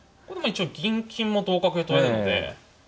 一応銀金も同角で取れるので。